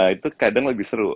itu kadang lebih seru